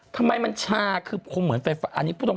ทำไมมันชาคือคงเหมือนไฟฟ้าอันนี้พูดตรง